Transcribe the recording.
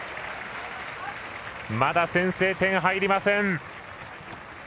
まだ先制点入りません。